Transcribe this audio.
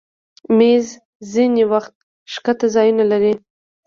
مېز ځینې وخت ښکته ځایونه لري.